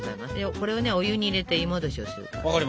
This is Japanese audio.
これをねお湯に入れて湯もどしをする感じ。